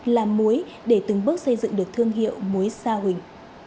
làm mối để từng bước xây dựng được thương hiệu mối sa huỳnh